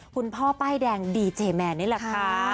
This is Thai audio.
คุณพ่อป้ายแดงดีเจแมนนี่แหละค่ะ